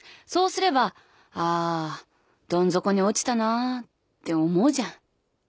そうすればああどん底に落ちたなぁって思うじゃん。